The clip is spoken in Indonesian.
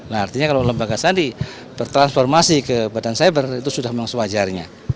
nah artinya kalau lembaga sandi bertransformasi ke badan cyber itu sudah memang sewajarnya